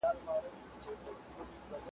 د قدرت مي ورته جوړه كړله لاره `